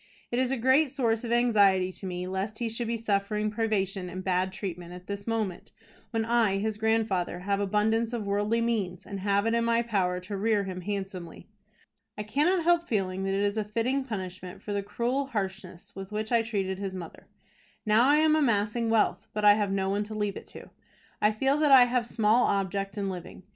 It is a great source of anxiety to me lest he should be suffering privation and bad treatment at this moment, when I, his grandfather, have abundance of worldly means, and have it in my power to rear him handsomely. I cannot help feeling that it is a fitting punishment for the cruel harshness with which I treated his mother. Now I am amassing wealth but I have no one to leave it to. I feel that I have small object in living.